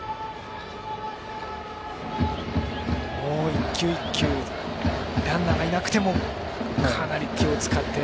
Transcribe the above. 一球一球ランナーがいなくてもかなり気を使って。